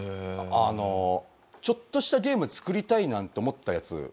あのちょっとしたゲーム作りたいなんて思ったヤツ